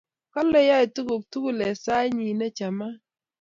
Kale yoei tukul tukul eng sait nyi nechamat